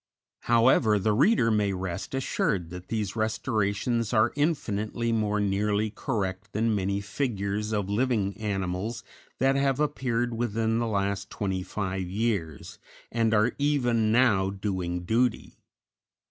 However, the reader may rest assured that these restorations are infinitely more nearly correct than many figures of living animals that have appeared within the last twenty five years, and are even now doing duty.